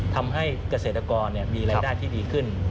ทำให้เกษตรกรมีรายได้ที่ดีขึ้น